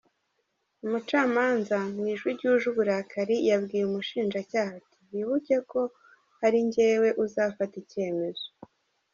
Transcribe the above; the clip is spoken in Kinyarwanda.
Umucamanza mu Ijwi ryuje uburakari yabwiye umushinjacyaha ati “ Wibuke ko ari njyewe uzafata icyemezo.